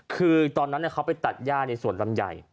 คือตอนนั้นเขาไปตัดย่าในสวนลำใหญ่